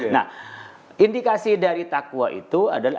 nah indikasi dari takwa itu adalah